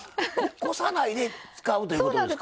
こさないで使うということですか？